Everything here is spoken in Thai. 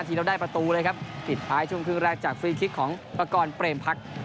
ทีเราได้ประตูเลยครับปิดท้ายช่วงครึ่งแรกจากฟรีคลิกของประกอบเปรมพัก